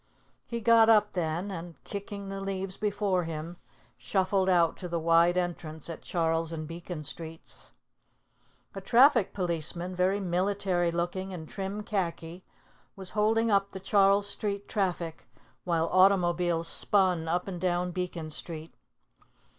He got up, then, and, kicking the leaves before him, shuffled out to the wide entrance at Charles and Beacon Streets. A traffic policeman, very military looking in trim khaki, was holding up the Charles Street traffic while automobiles spun up and down Beacon Street.